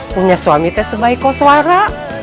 punya suami teh sebaik koswara